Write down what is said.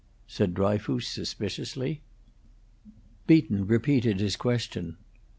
said Dryfoos, suspiciously. Beaton repeated his question.